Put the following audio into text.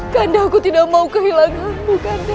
kanda aku tidak mau kehilanganmu kanda